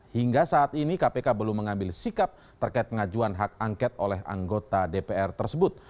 hingga saat ini kpk belum mengambil sikap terkait pengajuan hak angket oleh anggota dpr tersebut